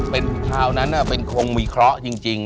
เป็นคราวนั้นเป็นคงมีเคราะห์จริง